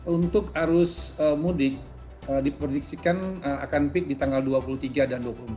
untuk arus mudik diprediksikan akan peak di tanggal dua puluh tiga dan dua puluh empat